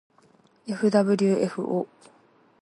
ｆｗｆ ぉ